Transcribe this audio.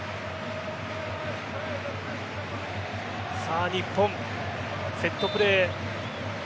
さあ日本、セットプレー。